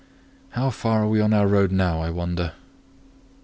How far are we on our road now, I wonder?"